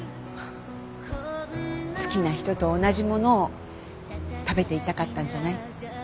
好きな人と同じものを食べていたかったんじゃない？